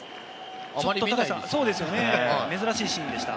珍しいシーンでした。